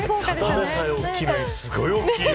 ただでさえ大きいのにすごい大きいよ。